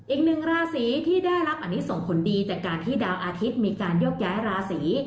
อีกหนึ่งราศีที่ได้รับอันนี้ส่งผลดีจากการที่ดาวอาทิตย์มีการโยกย้ายราศี